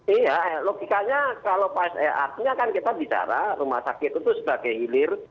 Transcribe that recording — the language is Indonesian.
iya logikanya kalau artinya kan kita bicara rumah sakit itu sebagai hilir